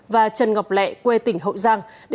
và trần ngọc lệ quê tỉnh hậu giang